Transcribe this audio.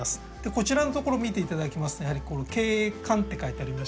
こちらの所見ていただきますとやはり「冠」って書いてありましてね